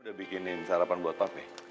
udah bikinin sarapan buat papi